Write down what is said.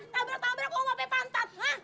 tabrak tabrak kok gak melepaskan